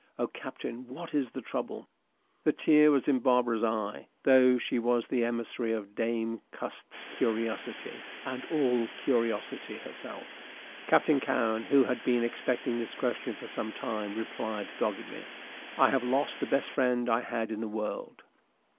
O Captain, what is the trouble?" The tear was in Barbara's eye, though she was the emissary of Dame Cust's curiosity, and all curiosity herself. Captain Cowen, who had been expecting this question for some time, replied, doggedly, "I have lost the best friend I had in the world."